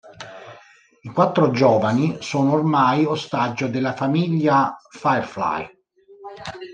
I quattro giovani sono ormai ostaggio della famiglia Firefly.